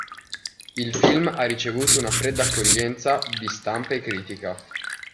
Il film ha ricevuto una fredda accoglienza di stampa e critica.